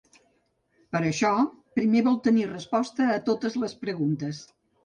Per això primer vol tenir resposta a totes les preguntes.